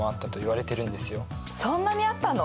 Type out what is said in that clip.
そんなにあったの！？